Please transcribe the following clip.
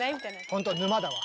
ほんと沼だわ。